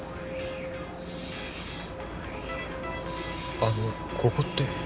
あのここって？